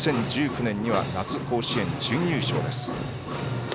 ２０１９年には夏甲子園準優勝です。